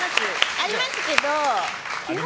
ありますけど基本